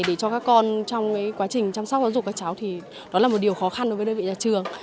để cho các con trong quá trình chăm sóc giáo dục các cháu thì đó là một điều khó khăn đối với đơn vị nhà trường